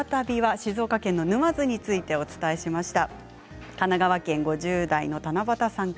静岡県沼津についてお伝えしました。